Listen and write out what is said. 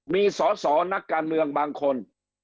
มีสอสอนักการเมืองบางคน